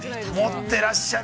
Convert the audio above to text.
◆持っていらっしゃる。